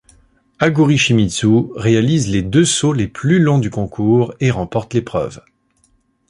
Aguri Shimizu réalise les deux sauts les plus longs du concours et remporte l'épreuve.